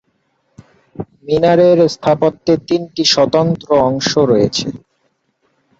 মিনারের স্থাপত্যে তিনটি স্বতন্ত্র অংশ রয়েছে।